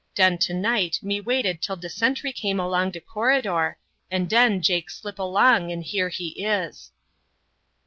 Den to night me waited till de sentry come along de corridor, and den Jake slip along and here he is."